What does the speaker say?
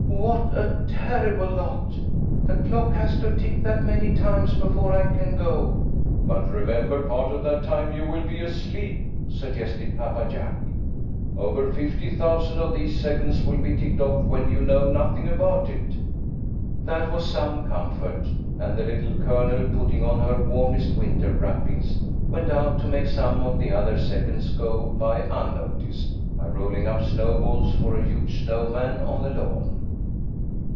" What a terrible lot. The clock has to tick that many times before I can go." "But remember, part of that time you will be asleep," suggested Papa Jack. " Over fifty thousand of these seconds will be ticked off when you know nothing about it." That was some comfort, and the Little Colonel, putting on her warmest winter wrappings, went out to make some of the other seconds go by unnoticed, by rolling up snowballs for a huge snow man on the lawn.